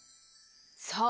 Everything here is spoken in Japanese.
そう。